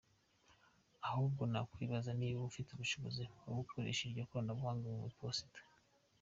Ahubwo nakwibaza niba dufite ubushobozi bwo gukoresha iryo koranabuhanga mu Iposita.